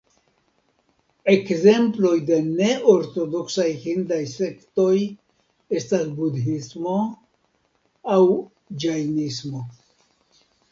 Ekzemploj de ne-ortodoksaj hindaj sektoj estas Budhismo aŭ Ĝajnismo.